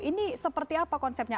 ini seperti apa konsepnya